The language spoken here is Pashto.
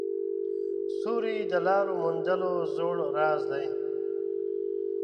ستوري د لارو موندلو زوړ راز دی.